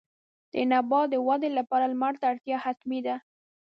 د نبات د ودې لپاره لمر ته اړتیا حتمي ده.